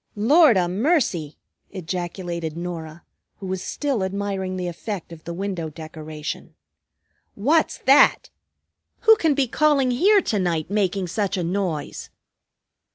"Lord 'a' mercy!" ejaculated Norah, who was still admiring the effect of the window decoration. "What's that? Who can be calling here to night, making such a noise?"